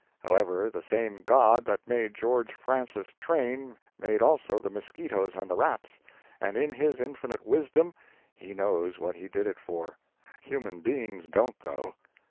However, the same God that made George Francis Train made also the mosquitoes and the rats, and in His infinite wisdom He knows what He did it for. Human beings don't, though.